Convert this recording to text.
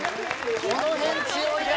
この辺強いな！